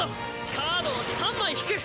カードを３枚引く。